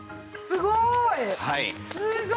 すごい！